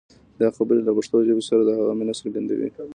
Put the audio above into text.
دا خبرې له پښتو ژبې سره د هغه مینه څرګندوي.